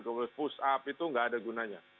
kemudian push up itu nggak ada gunanya